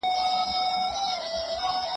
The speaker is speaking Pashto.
ټولنه د بېلابېلو ډلو او ګوندونو څخه جوړه ده.